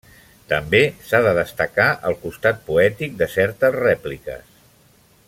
També s'ha de destacar el costat poètic de certes rèpliques.